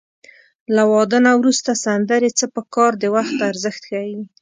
له واده نه وروسته سندرې څه په کار د وخت ارزښت ښيي